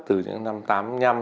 từ những năm tám mươi năm